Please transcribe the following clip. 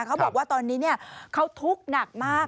เขาบอกว่าตอนนี้เขาทุกข์หนักมาก